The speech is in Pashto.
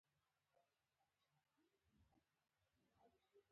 د اوبو فیصدي خاوره له یو حالت څخه بل حالت ته اړوي